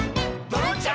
「ドロンチャ！